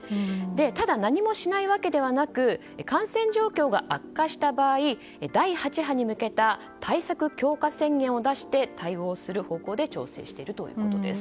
ただ、何もしないわけではなく感染状況が悪化した場合第８波に向けた対策強化宣言を出して対応する方向で調整しているということです。